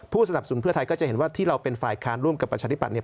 สนับสนเพื่อไทยก็จะเห็นว่าที่เราเป็นฝ่ายค้านร่วมกับประชาธิบัตย์เนี่ย